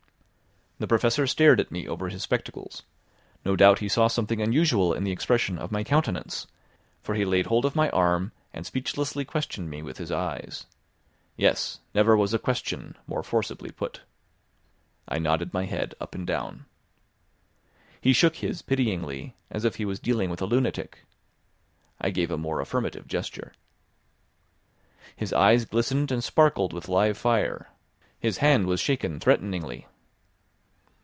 The Professor stared at me over his spectacles; no doubt he saw something unusual in the expression of my countenance; for he laid hold of my arm, and speechlessly questioned me with his eyes. Yes, never was a question more forcibly put. I nodded my head up and down. He shook his pityingly, as if he was dealing with a lunatic. I gave a more affirmative gesture. His eyes glistened and sparkled with live fire, his hand was shaken threateningly.